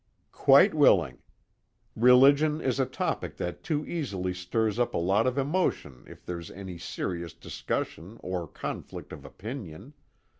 "Quite willing. Religion is a topic that too easily stirs up a lot of emotion if there's any serious discussion or conflict of opinion.